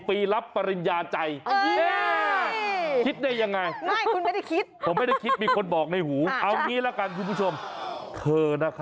๔ปีรับปริญญาแต่งเลย